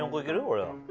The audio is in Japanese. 俺は。